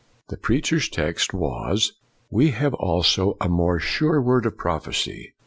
The preacher's text was, We have also a more sure word of prophecy.'